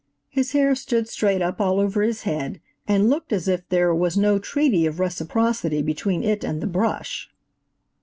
His hair stood straight up all over his head, and looked as if there was no treaty of reciprocity between it and the brush.